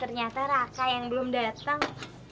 ternyata raka yang belum datang